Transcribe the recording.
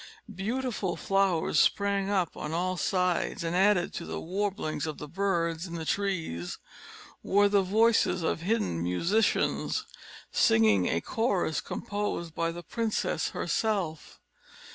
Beautiful flowers sprang up on all sides; and, added to the warblings of the birds in the trees, were the voices of hidden musicians, singing a chorus, composed by the princess herself.